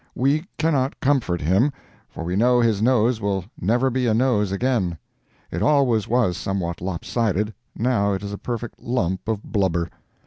We cannot comfort him, for we know his nose will never be a nose again. It always was somewhat lopsided; now it is a perfect lump of blubber.